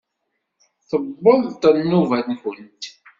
Tewweḍ-d nnuba-nkent!